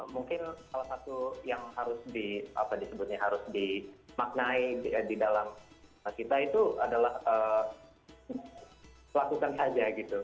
mungkin salah satu yang harus disebutnya harus dimaknai di dalam kita itu adalah lakukan saja gitu